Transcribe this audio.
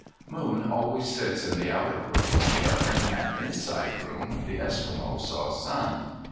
Moon always sits in the outer room, but in an inside room, the Eskimo saw Sun.